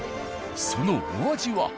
そのお味は？